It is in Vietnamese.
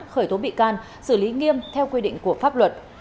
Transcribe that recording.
khởi tố bị can xử lý nghiêm theo quy định của pháp luật